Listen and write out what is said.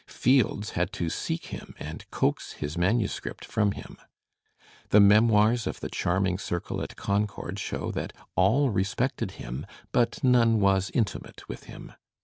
Fields had to seek him and coax his manuscript from him. The memoirs of the charming circle at Ccmcord show that all respected him but none was intimate with him.